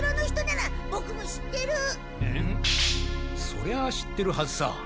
そりゃあ知ってるはずさ。